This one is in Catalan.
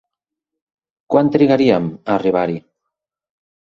Quant trigaríem a arribar-hi?